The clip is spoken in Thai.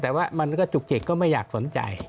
แต่ว่ามันก็จุกจิกก็ไม่อยากสนใจ